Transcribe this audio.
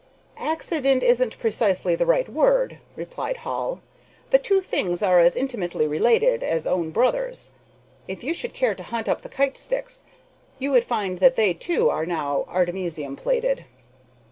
"Accident isn't precisely the right word," replied Hall. "The two things are as intimately related as own brothers. If you should care to hunt up the kite sticks, you would find that they, too, are now artemisium plated."